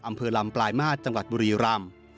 อำเวอรำปลายมาตรจบริรำ